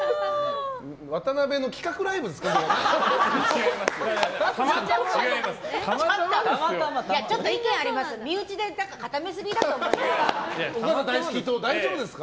ワタナベの企画ライブですか？